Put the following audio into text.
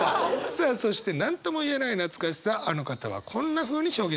さあそして何とも言えない懐かしさあの方はこんなふうに表現してました。